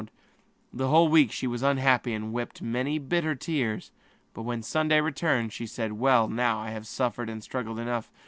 During the whole week she was sad and wept many bitter tears, but when Sunday came again she said: "Now I have suffered and striven enough.